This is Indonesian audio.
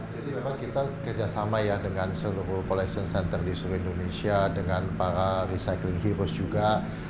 jadi memang kita kerjasama ya dengan seluruh collection center di seluruh indonesia dengan para recycling heroes juga